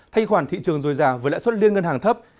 thanh khoản thị trường dồi dà với lãi suất liên ngân hàng thấp